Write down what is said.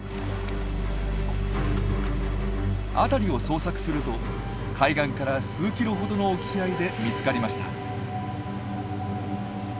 辺りを捜索すると海岸から数キロほどの沖合で見つかりました。